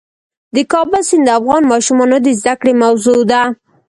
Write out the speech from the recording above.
د کابل سیند د افغان ماشومانو د زده کړې موضوع ده.